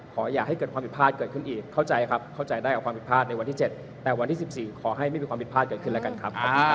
ขออย่างให้ความผิดพลาดเกิดขึ้นอีกเข้าใจได้วันที่๗แต่วันที่๑๔ขอให้ไม่มีพลาดเกิดขึ้นและกันครับ